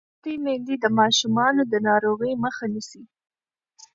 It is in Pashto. لوستې میندې د ماشومانو د ناروغۍ مخه نیسي.